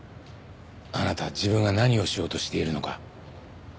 あなた自分が何をしようとしているのか。